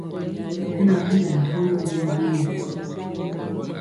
Hɛ na mugɔ nkɔndɔ ri mbu yi.